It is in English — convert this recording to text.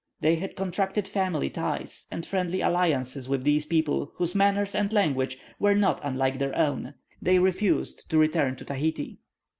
They had contracted family ties and friendly alliances with these people, whose manners and language were not unlike their own. They refused to return to Tahiti.